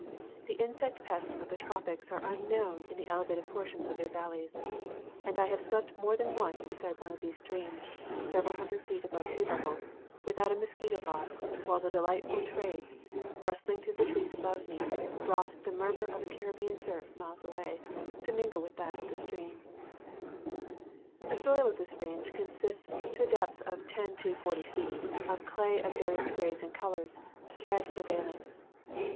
The insect pests of the tropics are unknown in the elevated portions of their valleys, and I have slept more than once beside one of these streams, several hundred feet above sea level, without a mosquito bar, while the delightful " trades," rustling through the trees above me, brought the mur mur of the Caribbean surf miles away, to mingle with that of the stream. VOL. I. 35 334 National Geograjjhic Magazine. The soil of this range consists, to a depth of ten to forty feet, of clay of various grades and colors, red prevailing.